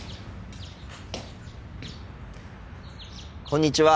こんにちは。